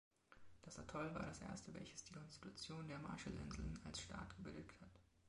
Das Atoll war das erste welches die Konstitution der Marshall-Inseln als Staat gebilligt hat.